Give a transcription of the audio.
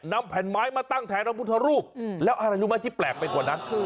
นำแผ่นไม้มาตั้งแทนพุทธรูปแล้วอะไรรู้มั้ยที่แปลกไปกว่านั้น